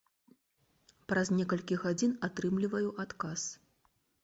Праз некалькі гадзін атрымліваю адказ.